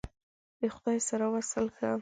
د خدای سره وصل ښه !